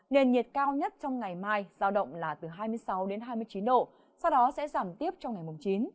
nền nhiệt cao nhất trong ngày mai giao động là từ hai mươi sáu hai mươi chín độ sau đó sẽ giảm tiếp trong ngày mùng chín